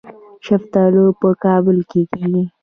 شفتالو په کابل کې کیږي